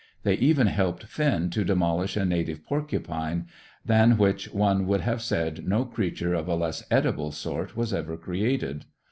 They even helped Finn to demolish a native porcupine, than which one would have said no creature of a less edible sort was ever created.